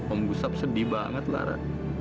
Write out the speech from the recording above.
om busap sedih banget lara